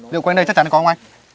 liệu quanh đây chắc chắn có không anh